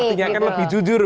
artinya kan lebih jujur